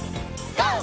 ＧＯ！